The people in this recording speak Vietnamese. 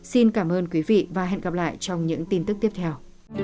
xin cảm ơn quý vị và hẹn gặp lại trong những tin tức tiếp theo